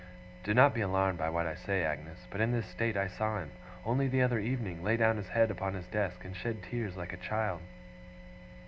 Do not be alarmed by what I say, Agnes, but in this state I saw him, only the other evening, lay down his head upon his desk, and shed tears like a child.